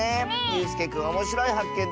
ゆうすけくんおもしろいはっけん